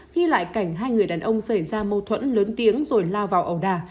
ghi lại cảnh hai người đàn ông xảy ra mâu thuẫn lớn tiếng rồi lao vào ẩu đà